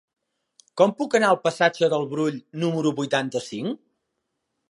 Com puc anar al passatge del Brull número vuitanta-cinc?